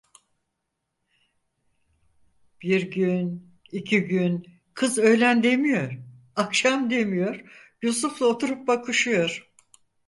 Bir gün, iki gün, kız öğlen demiyor, akşam demiyor, Yusuf'la oturup bakışıyor.